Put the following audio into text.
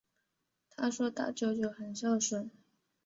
她说大舅舅很孝顺